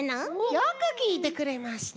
よくきいてくれました。